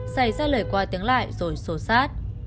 xây ra lời qua tiếng lại rồi xô xát